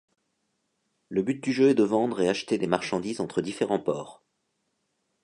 Le but du jeu est de vendre et acheter des marchandises entre différents ports.